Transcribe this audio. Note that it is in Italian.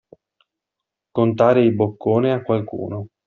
Contare i boccone a qualcuno.